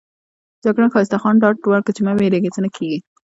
جګړن ښایسته خان ډاډ راکړ چې مه وېرېږئ څه نه کېږي.